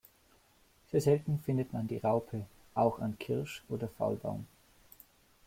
Sehr selten findet man die Raupen auch an Kirsche oder Faulbaum.